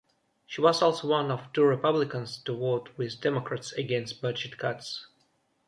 She was also one of two Republicans to vote with Democrats against budget cuts.